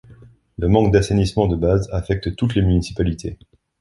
Le manque d'assainissement de base affecte toutes les municipalités.